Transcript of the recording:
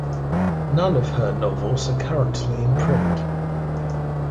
None of her novels are currently in print.